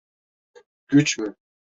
Güç mü?